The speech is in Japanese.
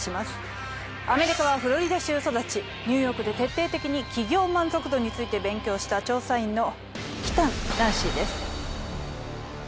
アメリカはフロリダ州育ちニューヨークで徹底的に企業満足度について勉強した調査員の。